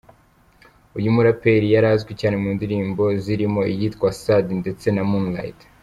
Uyu muraperi yari azwi cyane mu ndirimbo zirimo iyitwa ‘Sad!’ ndetse na ‘Moonlight’.